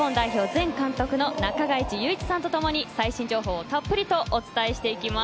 前監督の中垣内祐一さんと共に最新情報をたっぷりとお伝えしていきます。